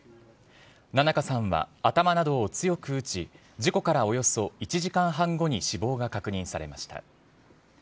菜々香さんは頭などを強く打ち、事故からおよそ１時間半後に死亡が確認されました。